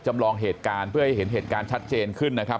จำลองเหตุการณ์เพื่อให้เห็นเหตุการณ์ชัดเจนขึ้นนะครับ